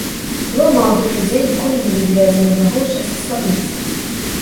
Двое маладых людзей ніколі не любілі адзін аднаго і часта сварыліся.